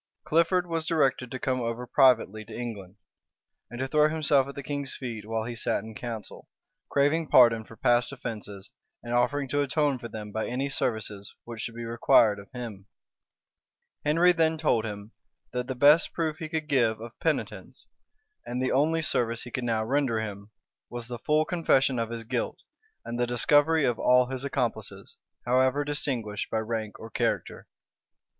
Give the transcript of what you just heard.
Clifford was directed to come over privately to England, and to throw himself at the king's feet while he sat in council; craving pardon for past offences and offering to atone for them by any services which should be required of him. Henry then told him, that the best proof he could give of penitence, and the only service he could now render him, was the full confession of his guilt, and the discovery of all his accomplices, however distinguished by rank or character.